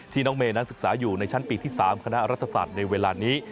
น้องเมย์นั้นศึกษาอยู่ในชั้นปีที่๓คณะรัฐศาสตร์ในเวลานี้